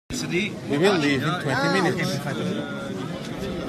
We will leave in twenty minutes.